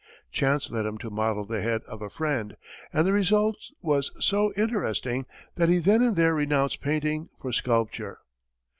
Chance led him to model the head of a friend, and the result was so interesting that he then and there renounced painting for sculpture.